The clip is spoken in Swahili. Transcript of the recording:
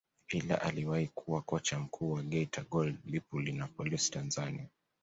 ila aliwahi kuwa kocha mkuu wa Geita Gold Lipuli na Polisi Tanzania